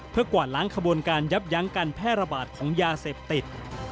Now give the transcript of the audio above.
เพื่อกวาดล้างขบวนการยับยั้งการแพร่ระบาดของยาเสพติด